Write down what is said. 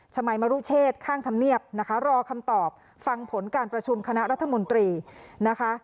ชมัยมรุเชษข้างธรรมเนียบนะคะรอคำตอบฟังผลการประชุมคณะรัฐมนตรีนะคะ